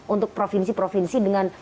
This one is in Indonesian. untuk provinsi provinsi dengan